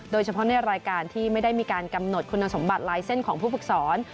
โดยเฉพาะในรายการที่ไม่ได้มีการกำหนดคุณสมบัติไลน์เส้นของผู้ปกสร